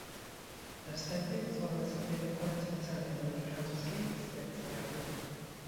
Na wstępie pozwolę sobie dokonać oceny roli francuskiej prezydencji Rady